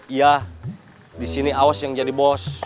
iya disini aos yang jadi bos